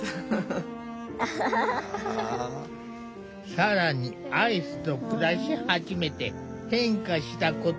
更にアイスと暮らし始めて変化したことが。